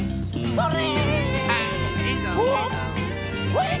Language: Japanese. それ！